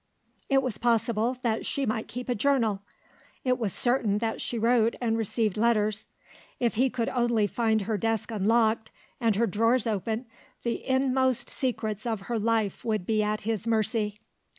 It was possible that she might keep a journal: it was certain that she wrote and received letters. If he could only find her desk unlocked and her drawers open, the inmost secrets of her life would be at his mercy.